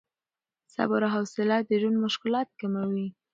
صبر او حوصله د ژوند مشکلات کموي.